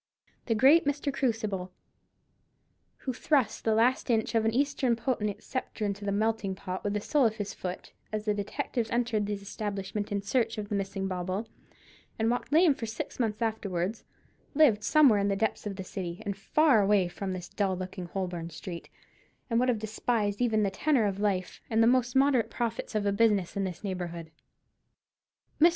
The great Mr. Krusible, who thrust the last inch of an Eastern potentate's sceptre into the melting pot with the sole of his foot, as the detectives entered his establishment in search of the missing bauble, and walked lame for six months afterwards, lived somewhere in the depths of the city, and far away from this dull looking Holborn street; and would have despised the even tenor of life, and the moderate profits of a business in this neighbourhood. Mr.